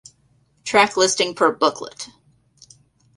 Track listing per booklet.